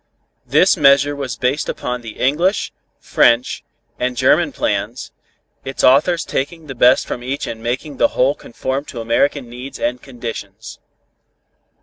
This measure was based upon the English, French and German plans, its authors taking the best from each and making the whole conform to American needs and conditions.